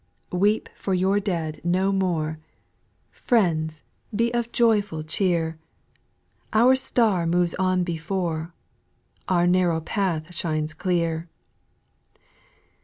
2. Weep for your dead no more, Friends, be of joyful cheet^ ( J 140 SPIRITUAL SON 08, Our star moves on before, Our narrow path shines clear.